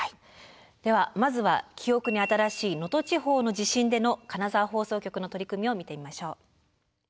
ではまずは記憶に新しい能登地方の地震での金沢放送局の取り組みを見てみましょう。